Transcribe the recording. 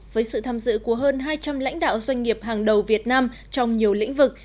với sự tham dự của hơn hai trăm linh lãnh đạo doanh nghiệp hàng đầu việt nam trong nhiều lĩnh vực